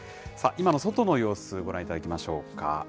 今の外の様子、ご覧いただきましょうか。